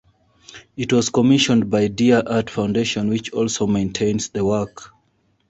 It was commissioned by Dia Art Foundation, which also maintains the work.